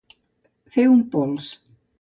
Fer un pols.